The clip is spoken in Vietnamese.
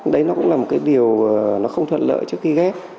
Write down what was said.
đấy nó cũng là một cái điều nó không thuận lợi trước khi ghép